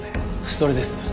それです。